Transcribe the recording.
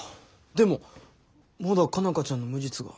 でもまだ佳奈花ちゃんの無実が。